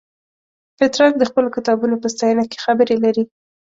پترارک د خپلو کتابونو په ستاینه کې خبرې لري.